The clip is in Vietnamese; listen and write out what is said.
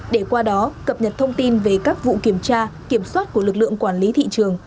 để qua đó cập nhật thông tin về các vụ kiểm tra kiểm soát của lực lượng quản lý thị trường